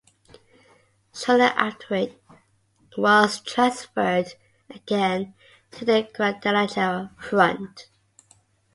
Shortly after it was transferred again to the Guadalajara front.